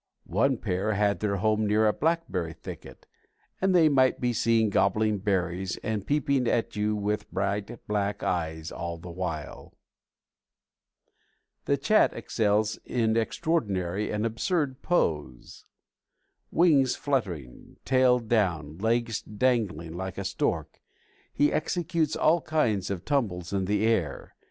One pair had their home near a blackberry thicket, and they might be seen gobbling berries and peeping at you with bright black eyes all the while. The Chat excels in extraordinary and absurd pose; wings fluttering, tail down, legs dangling like a Stork, he executes all kinds of tumbles in the air.